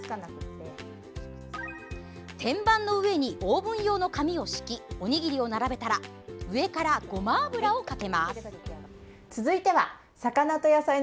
天板の上にオーブン用の紙を敷きおにぎりを並べたら上からごま油をかけます。